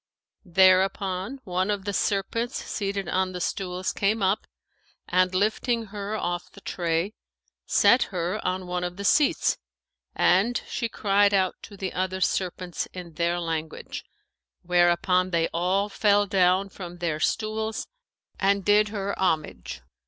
There upon, one of the serpents seated on the stools came up and, lifting her off the tray, set her on one of the seats and she cried out to the other serpents in their language, whereupon they all fell down from their stools and did her homage.